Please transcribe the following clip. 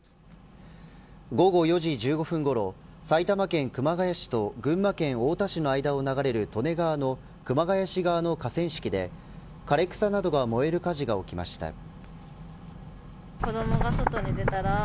午後４時１５分ごろ埼玉県熊谷市と群馬県太田市の間を流れる利根川の熊谷市側の河川敷で枯れ草などが燃える火事が起きました。